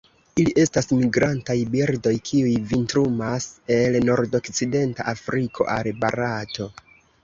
Ili estas migrantaj birdoj, kiuj vintrumas el nordokcidenta Afriko al Barato.